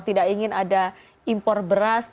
tidak ingin ada impor beras